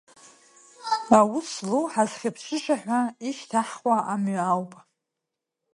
Аус злоу ҳазхьыԥшыша ҳәа ишьҭаҳхуа амҩа ауп.